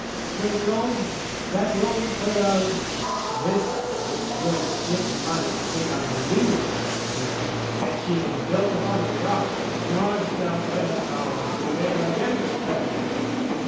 Till Rome, that Rome whereof this voice, Would it might make our Molinists observe. That she is built upon a rock nor shall Their powers prevail against her!